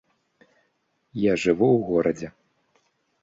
Я жыву ў горадзе.